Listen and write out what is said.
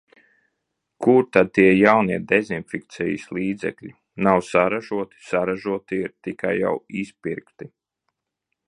Kur tad tie jaunie dezinfekcijas līdzekļi? Nav saražoti?- Saražoti ir! Tikai jau izpirkti.-...